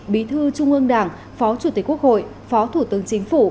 bí thư trung ương đảng phó chủ tịch quốc hội phó thủ tướng chính phủ